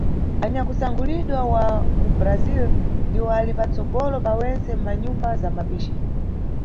Anyakusankhulidwa wa ku Brasil ndiwo ali patsogolo pa wentse mʼmanyumba za mapici.